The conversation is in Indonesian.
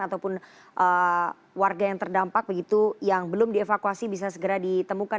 ataupun warga yang terdampak begitu yang belum dievakuasi bisa segera ditemukan